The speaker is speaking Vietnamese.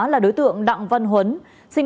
là đối tượng đặng văn huấn sinh